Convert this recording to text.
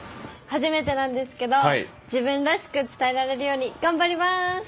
初めてなんですけど自分らしく伝えられるように頑張ります。